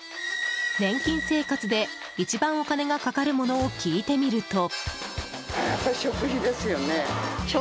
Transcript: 年金生活で一番お金がかかるものを聞いてみると。